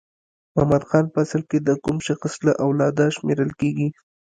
محمد خان په اصل کې د کوم شخص له اولاده شمیرل کیږي؟